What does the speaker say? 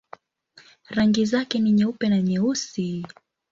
Rangi zake ni nyeupe na nyeusi.